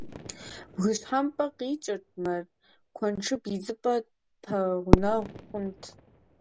БгыщхьэмкӀэ къикӀырт мэр: куэншыб идзыпӀэ тпэгъунэгъу хъунт.